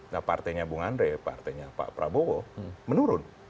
nah partainya bung andre partainya pak prabowo menurun